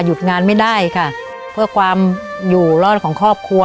งานไม่ได้ค่ะเพื่อความอยู่รอดของครอบครัว